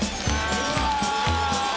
うわ。